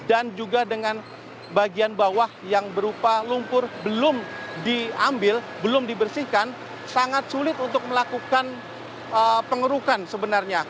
dan juga dengan bagian bawah yang berupa lumpur belum diambil belum dibersihkan sangat sulit untuk melakukan pengerukan sebenarnya